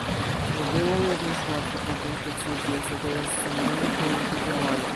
Nie było również łatwo podjąć decyzję co do rozsądnego kierunku działania